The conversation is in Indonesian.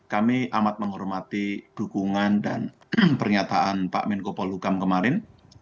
kami amat menghormati dukungan dan pernyataan pak menko polhukam kemarin